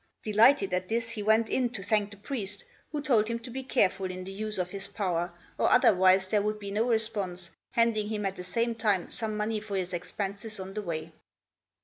Delighted at this, he went in to thank the priest, who told him to be careful in the use of his power, or otherwise there would be no response, handing him at the same time some money for his expenses on the way.